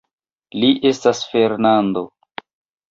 Li estas Fernando!